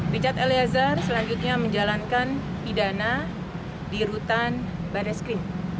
richard eliazar selanjutnya menjalankan pidana di rutan badaskrim